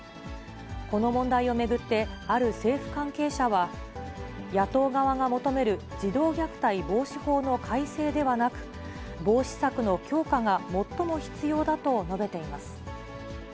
この問題を巡って、ある政府関係者は、野党側が求める児童虐待防止法の改正ではなく、防止策の強化が最も必要だと述べています。